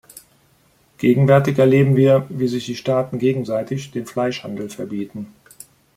Gegenwärtig erleben wir, wie sich die Staaten gegenseitig den Fleischhandel verbieten.